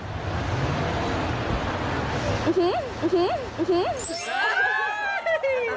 อื้อฮืออื้อฮืออื้อฮือ